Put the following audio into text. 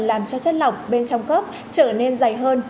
làm cho chất lỏng bên trong cốc trở nên dày hơn